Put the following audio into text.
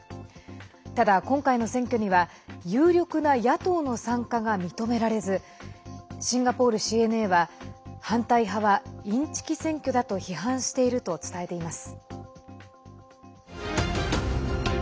ただ、今回の選挙には有力な野党の参加が認められずシンガポールＣＮＡは反対派はインチキ選挙だと批判していると伝えています。